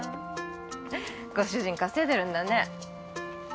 ご主人稼いでるんだね。